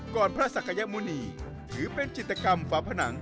พระศักยมุณีถือเป็นจิตกรรมฝาผนัง